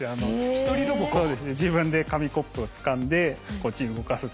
自分で紙コップをつかんでこっちに動かす。